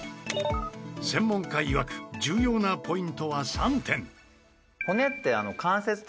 専門家いわく重要なポイントは３点。